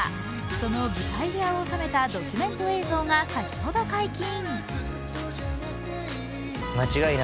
その舞台裏を収めたドキュメント映像が先ほど解禁。